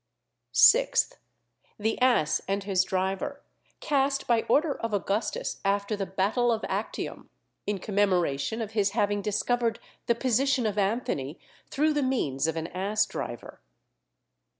6th. The Ass and his Driver, cast by order of Augustus after the battle of Actium, in commemoration of his having discovered the position of Anthony through the means of an ass driver.